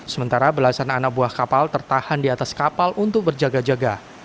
sementara belasan anak buah kapal tertahan di atas kapal untuk berjaga jaga